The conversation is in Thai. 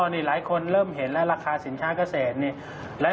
นี่หลายคนเริ่มเห็นแล้วราคาสินค้าเกษตรนี่